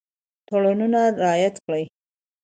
تړونونه رعایت کړي.